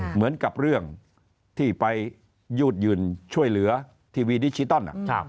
เหมือนกับเรื่องที่ไปยืดหยุ่นช่วยเหลือทีวีดิจิตอล